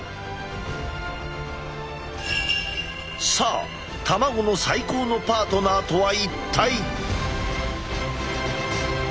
さあ卵の最高のパートナーとは一体？